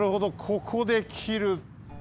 ここできる。